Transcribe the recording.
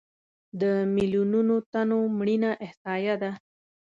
د میلیونونو تنو مړینه احصایه ده.